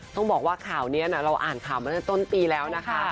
ต้องบอกว่าข่าวนี้เราอ่านข่าวมาตั้งแต่ต้นปีแล้วนะคะ